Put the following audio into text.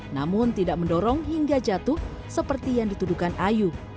namun tidak mendorong hingga jatuh seperti yang dituduhkan ayu